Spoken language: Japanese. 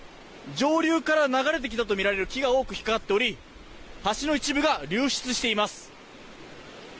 上流から流れてきたとみられる木が多く引っかかっており橋の一部が流出しています。